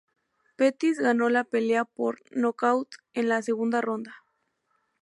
Pettis ganó la pelea por nocaut en la segunda ronda.